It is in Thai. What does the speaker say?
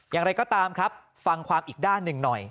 อย่างไรก็ตามครับฟังความอีกด้านหนึ่งหน่อย